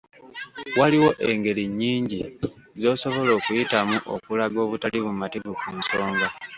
Waliwo engeri nnyingi z'osobola okuyitamu okulaga obutali bumativu ku nsonga.